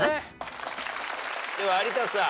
では有田さん。